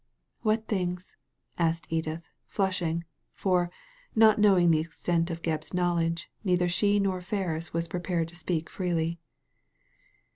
"What things?" asked Edith, flushing; for, not knowing the extent of Gebb's knowledge, neither she nor Ferris was prepared to speak freely.